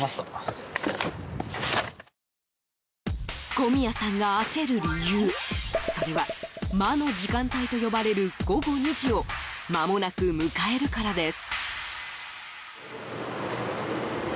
小宮さんが焦る理由、それは魔の時間帯と呼ばれる午後２時をまもなく迎えるからです。